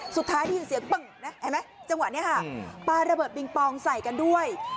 สุดท้ายที่ยินเสียงปึ้งจังหวัดนี้ค่ะปาระเบิดบิงปองใส่กันด้วย